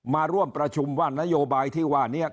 มาร่วมประชุมว่านโยบายที่ว่านี้